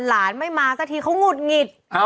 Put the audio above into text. หลานไม่มาสักทีเขาหงุดหงิด